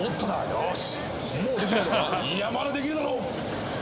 よし。